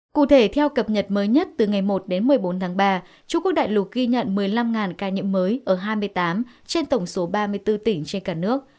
cụ thể theo cập nhật mới nhất từ ngày một đến một mươi bốn tháng ba trung quốc đại lục ghi nhận một mươi năm ca nhiễm mới ở hai mươi tám trên tổng số ba mươi bốn tỉnh trên cả nước